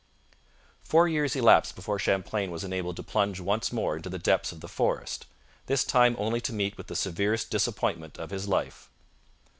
Four years elapsed before Champlain was enabled to plunge once more into the depths of the forest this time only to meet with the severest disappointment of his life.